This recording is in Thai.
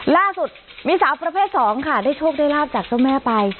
ล่าสุดมีสาวประเภท๒ค่ะได้โชคได้ลาบจากเจ้าแม่ไป